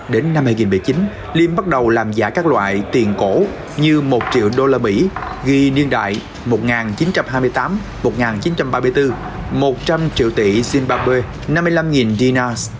đến năm hai nghìn một mươi chín liêm bắt đầu làm giả các loại tiền cổ như một triệu đô la mỹ ghi niên đại một nghìn chín trăm hai mươi tám một nghìn chín trăm ba mươi bốn một trăm linh triệu tỷ zimbabwe năm mươi năm dinars